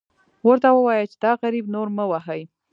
ورته ووایه چې دا غریب نور مه وهئ.